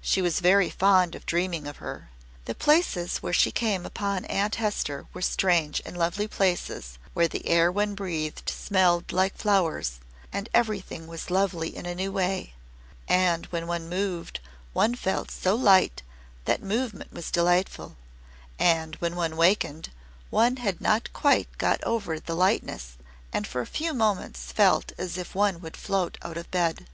She was very fond of dreaming of her. The places where she came upon Aunt Hester were strange and lovely places where the air one breathed smelled like flowers and everything was lovely in a new way, and when one moved one felt so light that movement was delightful, and when one wakened one had not quite got over the lightness and for a few moments felt as if one would float out of bed.